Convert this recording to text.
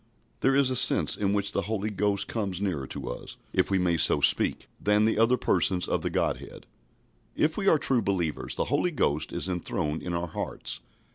There is a sense in which the Holy Ghost comes nearer to us, if we may so speak, than the other Persons of the Godhead. If we are true believers, the Holy Ghost is enthroned in our hearts.